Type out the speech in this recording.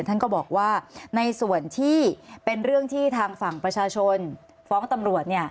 ท่านก็บอกว่าในส่วนที่เป็นเรื่องที่ทางฝั่งประชาชนฟ้องตำรวจ